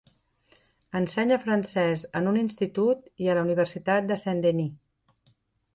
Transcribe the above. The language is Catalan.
Ensenya francès en un institut i a la Universitat de Saint-Denis.